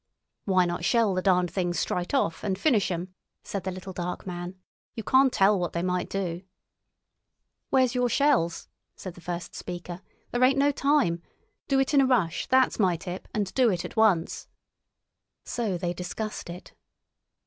"Why not shell the darned things strite off and finish 'em?" said the little dark man. "You carn tell what they might do." "Where's your shells?" said the first speaker. "There ain't no time. Do it in a rush, that's my tip, and do it at once." So they discussed it.